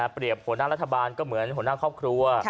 หัวหน้ารัฐบาลก็เหมือนหัวหน้าครอบครัว